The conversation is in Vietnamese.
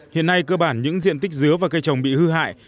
hiện nay cơ bản những diện tích dứa và cây trồng bị hư hại